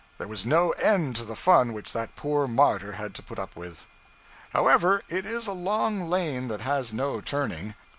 There was no end to the fun which that poor martyr had to put up with. However, it is a long lane that has no turning.